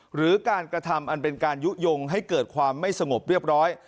หรือการกระทำอันเป็นการยุโยงให้เกิดความไม่สงบเรียบร้อย